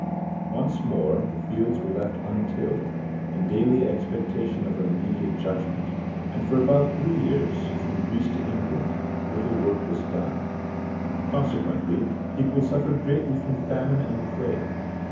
Once more the fields were left untilled, in daily expectation of immediate judgment, and for about three years, from Greece to England, little work was done. Consequently, people suffered greatly from famine and plague.